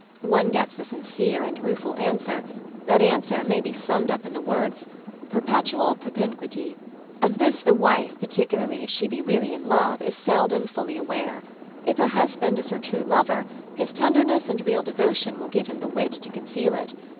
" one gets the sincere and rueful answer — that answer may be summed up in the words " perpetual propinquity." Of this, the wife, particularly if she be really in love, IS seldom fully aware. If her husband is her true lover, his tenderness and real devotion will give him the wit to conceal it.